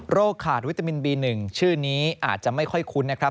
ขาดวิตามินบี๑ชื่อนี้อาจจะไม่ค่อยคุ้นนะครับ